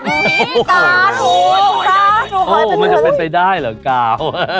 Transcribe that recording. ลูกหนี้จ้ะโอ้โฮมันจะเป็นไปได้เหรอกาว